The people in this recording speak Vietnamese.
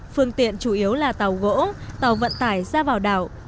phương tiện chủ yếu là tàu gỗ tàu vận tải ra vào đảo